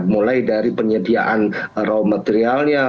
mulai dari penyediaan raw materialnya